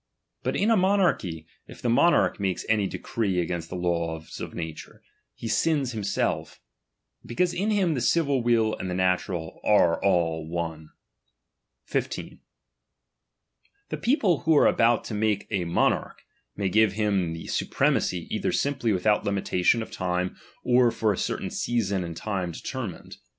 But in a monarchy, if the monarch make any decree against the laws of nature, he sina himself; because in him the civil will and the na tural are all one. 15. The people who are about to make a mo narch, may give him the supremacy either simply ' without limitation of time, or for a certain season and time determined.